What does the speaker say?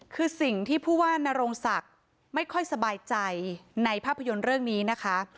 คือสิ่งที่ผู้ว่านโรงศักดิ์ไม่ค่อยสบายใจในภาพยนตร์เรื่องนี้นะคะ